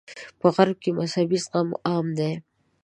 په غرب کې مذهبي زغم عام دی.